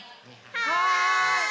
はい！